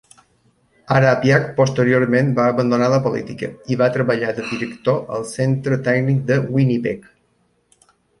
Harapiak posteriorment va abandonar la política, i va treballar de director al Centre tècnic de Winnipeg.